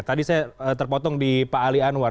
tadi saya terpotong di pak ali anwar